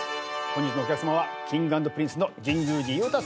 本日のお客さまはＫｉｎｇ＆Ｐｒｉｎｃｅの神宮寺勇太